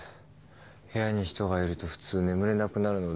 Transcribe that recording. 部屋に人がいると普通眠れなくなるので。